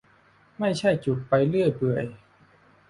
ไม่ใช่จุดไปเรื่อยเปื่อย